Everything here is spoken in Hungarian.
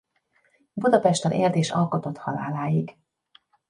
Budapesten élt és alkotott haláláig.